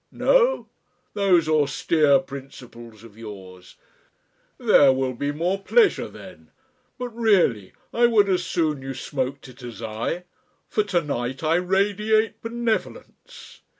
No? Those austere principles of yours! There will be more pleasure then. But really, I would as soon you smoked it as I. For to night I radiate benevolence."